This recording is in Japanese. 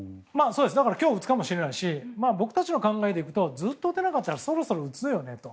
だから今日打つかもしれないし僕たちの考えでいくとずっと打てなかったらそろそろ打つよねと。